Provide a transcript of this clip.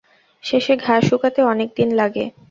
শেষে ঘা শুকাতে অনেক দিন লাগে।